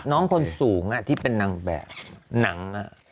น้องคนสูงที่เป็นนางแบบหนัง